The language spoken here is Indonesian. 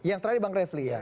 yang terakhir bang refli ya